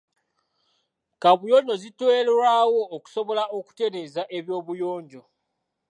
Kaabuyonjo ziteerwawo okusobola okutereeza eby'obuyonjo.